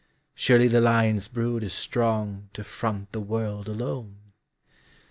Surely the lion's brood is strongTo front the world alone!